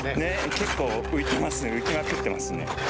結構浮いてますね浮きまくってますね。